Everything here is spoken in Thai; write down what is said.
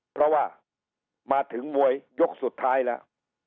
เพราะว่ามาถึงมวยยกสุดท้ายแล้ว